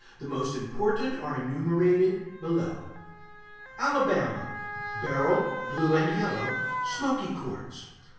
The most important are enumerated below: Alabama Beryl, blue and yellow; smoky quartz.